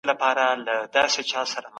دمتعددو پوهانو څېړنه د ګډ کار دی.